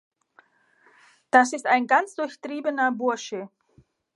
Das ist ein ganz durchtriebener Burschi.